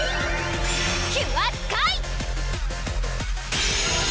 キュアスカイ！